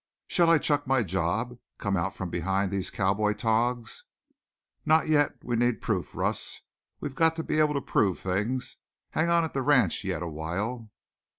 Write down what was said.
"Shall I chuck my job? Come out from behind these cowboy togs?" "Not yet. We need proof, Russ. We've got to be able to prove things. Hang on at the ranch yet awhile."